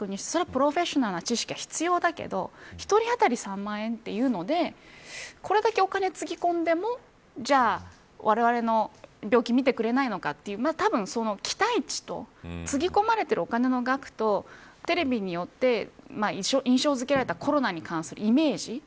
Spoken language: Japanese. プロフェッショナルな知識は必要だけど１人当たり３万円というのでこれだけお金つぎ込んでもじゃあ、われわれの病気診てくれないのかというたぶんその期待値とつぎ込まれているお金の額とテレビによって印象づけられたコロナに関するイメージ